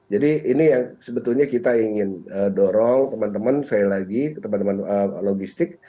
jadi ini yang sebetulnya kita ingin dorong teman teman logistik